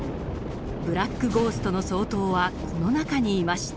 ブラック・ゴーストの総統はこの中にいました。